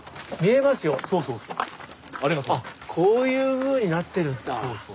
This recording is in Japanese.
こういうふうになってるんだ。